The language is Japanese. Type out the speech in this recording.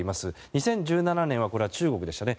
２０１７年は中国でしたね。